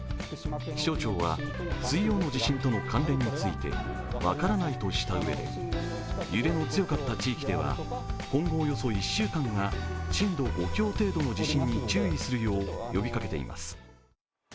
気象庁は、水曜の地震との関連について、分からないとしたうえで揺れの強かった地域では、今後およそ１週間は震度５強程度の地震に注意するよう呼びかけています。